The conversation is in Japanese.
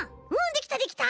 できたできた！